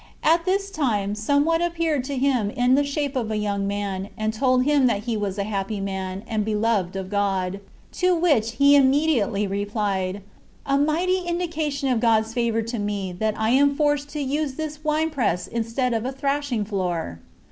At this time somewhat appeared to him in the shape of a young man, and told him that he was a happy man, and beloved of God. To which he immediately replied, "A mighty indication of God's favor to me, that I am forced to use this wine press instead of a thrashing floor!"